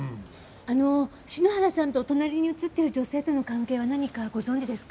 あの篠原さんと隣に写っている女性との関係は何かご存じですか？